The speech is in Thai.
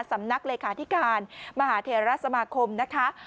สำนักเลขาธิการมหาเทราสมาคมนะคะ